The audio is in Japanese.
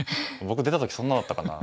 僕出た時そんなだったかな。